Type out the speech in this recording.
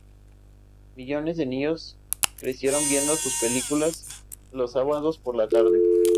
Millones de niños crecieron viendo sus películas los sábados por la tarde.